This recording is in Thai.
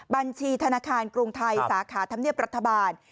บัญชีธนาคารกรุงไทยสาขาธรรมเนียบรัฐบาล